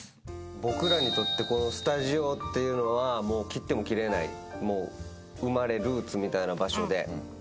僕らにとってこのスタジオっていうのは切っても切れないルーツみたいな場所で。